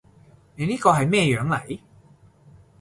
你呢個係咩樣嚟？